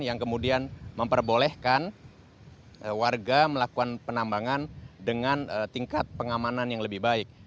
yang kemudian memperbolehkan warga melakukan penambangan dengan tingkat pengamanan yang lebih baik